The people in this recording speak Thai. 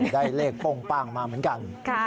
ได้เลขโป้งป้างมาเหมือนกัน